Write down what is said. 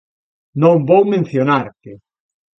Non vou mencionarte.